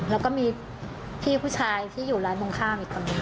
แล้วก็มีพี่ผู้ชายที่อยู่ร้านตรงข้ามอีกคนนึง